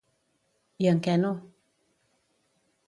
I en què no?